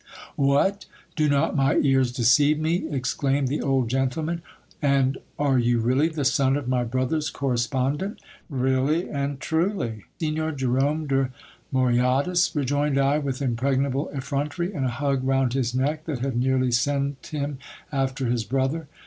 W" hat ! do not my ears deceive me ? exclaimed the old gentleman. And are you really the son of my brother's correspondent ? Really and truly, Signor Jerome de Moyadas, rejoined I with impregnable effrontery, and a hug round his neck that had nearly sent him after his brother.